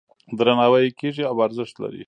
درناوی یې کیږي او ارزښت لري.